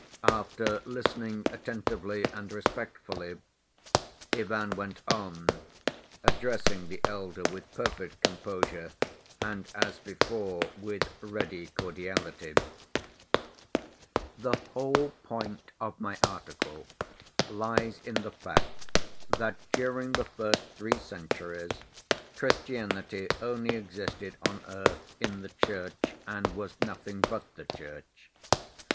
After listening attentively and respectfully Ivan went on, addressing the elder with perfect composure and as before with ready cordiality: "The whole point of my article lies in the fact that during the first three centuries Christianity only existed on earth in the Church and was nothing but the Church.